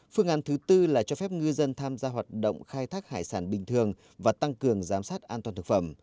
phương án thứ tư là cho phép ngư dân tham gia hoạt động khai thác hải sản bình thường và tăng cường giám sát an toàn thực phẩm